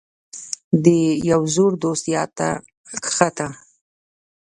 • د یو زوړ دوست یاد ته کښېنه.